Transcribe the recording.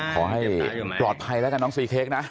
ขอให้ปลอดภัยแล้วกันน้องซีเค้กนะ